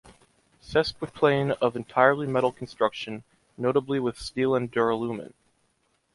Sesquiplane of entirely metal construction, notably with steel and duralumin.